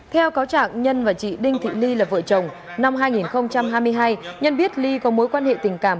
theo cáo trạng nhân và chị đinh thị ly là vợ chồng năm hai nghìn hai mươi hai nhân biết ly có mối quan hệ tình cảm